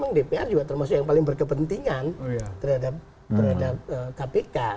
tapi lagi lagi memang dpr juga termasuk yang paling berkepentingan terhadap kpk